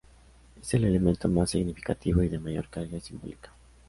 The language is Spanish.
Es el elemento más significativo y de mayor carga simbólica.